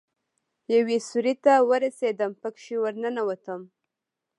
يوې سوړې ته ورسېدم پکښې ورننوتم.